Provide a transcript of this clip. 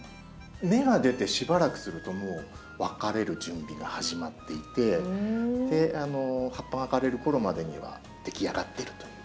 芽が出てしばらくするともう分かれる準備が始まっていて葉っぱが枯れるころまでには出来上がってるという。